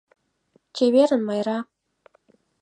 Чеверын, Майра!